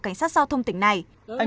cảnh sát giao thông tỉnh này